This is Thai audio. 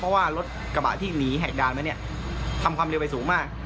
เพราะว่ารถกระบะที่หนีเหตุการณ์มาเนี่ยทำความเร็วไปสูงมาก